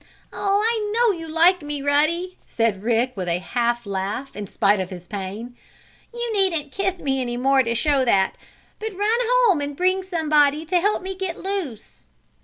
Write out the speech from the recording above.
"Oh, I know you like me, Ruddy!" said Rick, with a half laugh in spite of his pain. "You needn't kiss me any more to show that! But run home and bring somebody to help me get loose."